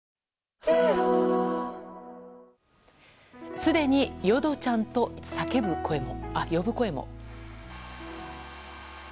すでに、よどちゃんと呼ぶ声も。